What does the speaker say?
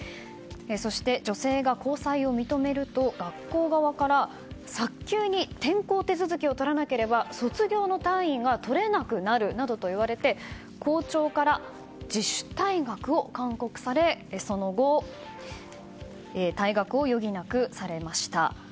そして女性が交際を認めると学校側から早急に転校手続きを取らなければ卒業の単位が取れなくなるなどと言われて校長から自主退学を勧告されその後、退学を余儀なくされました。